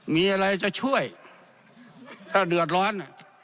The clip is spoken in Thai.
มีอะไรจะช่วยถ้าเดือดร้อน